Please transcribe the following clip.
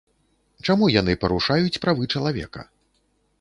Чаму яны парушаюць правы чалавека?